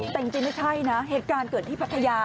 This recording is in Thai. แต่จริงไม่ใช่นะเหตุการณ์เกิดที่พัทยา